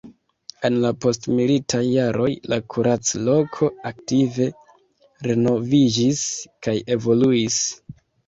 En la postmilitaj jaroj la kurac-loko aktive renoviĝis kaj evoluis.